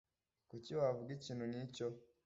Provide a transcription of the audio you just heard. Kuki wavuga ikintu nkicyo